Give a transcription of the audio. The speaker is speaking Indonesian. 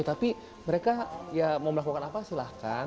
tapi mereka ya mau melakukan apa silahkan